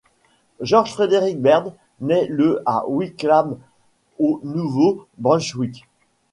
George Frederick Baird naît le à Wickham au Nouveau-Brunswick.